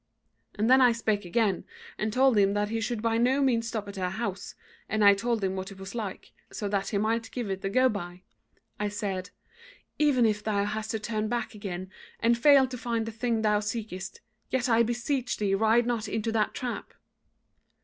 And then I spake again, and told him that he should by no means stop at our house, and I told him what it was like, so that he might give it the go by. I said, 'Even if thou hast to turn back again, and fail to find the thing thou seekest, yet I beseech thee ride not into that trap.'